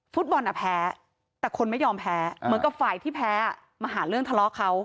ฟุตบอลอ่ะแพ้แต่คนไม่ยอมแพ้เหมือนกับฝ่ายที่แพ้มาหาเรื่องทะเลาะเขา